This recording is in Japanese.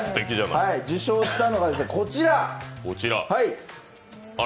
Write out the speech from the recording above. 受賞したのがこちら。